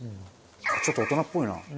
ちょっと大人っぽいな。